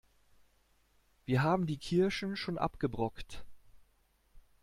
Wir haben die Kirschen schon abgebrockt.